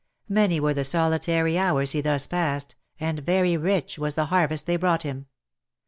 Many were the solitary hours he thus passed, and very rich was the harvest they brought him.